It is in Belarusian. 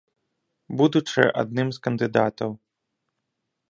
Будучы адным з кандыдатаў.